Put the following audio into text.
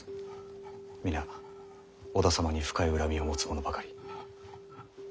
皆織田様に深い恨みを持つ者ばかり。